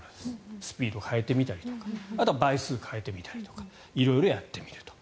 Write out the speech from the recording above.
スピードを変えてみたりとかあとは倍数を変えてみたり色々やってみると。